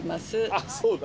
あっそうだ。